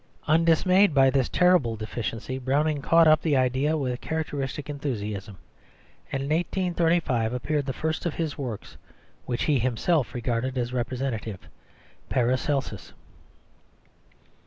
Undismayed by this terrible deficiency, Browning caught up the idea with characteristic enthusiasm, and in 1835 appeared the first of his works which he himself regarded as representative Paracelsus.